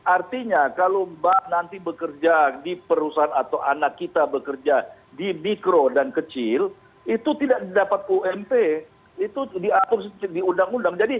artinya kalau mbak nanti bekerja di perusahaan atau anak kita bekerja di mikro dan kecil itu tidak dapat ump itu diatur di undang undang